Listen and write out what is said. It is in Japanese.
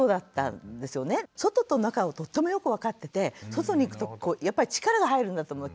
外と中をとってもよく分かってて外に行くとやっぱり力が入るんだと思う。